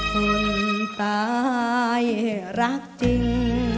คนตายรักจริง